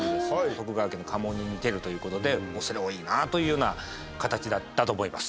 徳川家の家紋に似てるということでおそれ多いなというような形だったと思います。